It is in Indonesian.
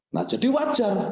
nah jadi wajar